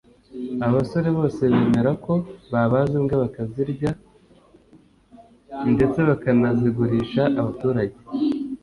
Aba basore bose bemera ko babaze imbwa bakazirya ndetse bakanazigurisha abaturage